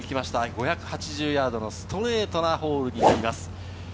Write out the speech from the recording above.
５８０ヤードのストレートなホールになります。